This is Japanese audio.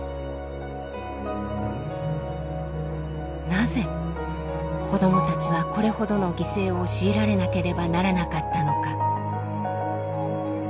なぜ子どもたちはこれほどの犠牲を強いられなければならなかったのか。